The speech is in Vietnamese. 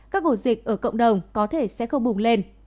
các ổ dịch ở cộng đồng có thể sẽ không bùng lên